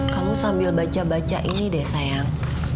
kamu sambil baca baca ini deh sayang